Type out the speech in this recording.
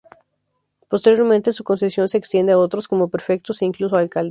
Posteriormente su concesión se extiende a otros como prefectos e incluso alcaldes.